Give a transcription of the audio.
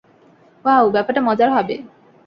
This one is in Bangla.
ওয়াও, ব্যাপারটা মজার হবে!